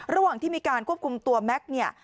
ระหว่างที่มีการควบคุมตัวแม็กซ์เนี่ย